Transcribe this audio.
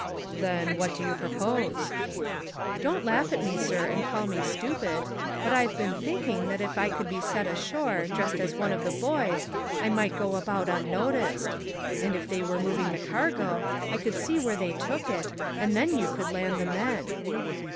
"Then what do you propose?" "Don't laugh at me, sir, and call me stupid; but I've been thinking that if I could be set ashore, dressed as one of the boys, I might go about unnoticed. And if they were moving the cargo, I could see where they took it, and then you could land the men."